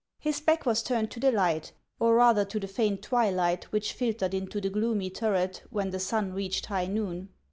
His back was turned to the light, or rather to the faint twilight which filtered into the gloomy turret when the sun reached high noon.